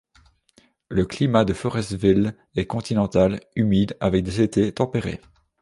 Le climat de Forestville est continental humide avec étés tempérés.